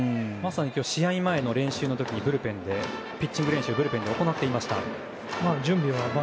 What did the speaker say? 試合前の練習でピッチング練習をブルペンで行っていました。